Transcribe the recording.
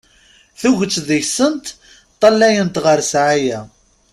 Tuget deg-sent ṭṭalayent ɣer ssɛaya.